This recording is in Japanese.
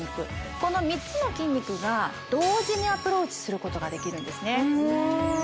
この３つの筋肉が同時にアプローチすることができるんですね